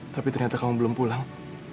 tapi ternyata kamu belum pulang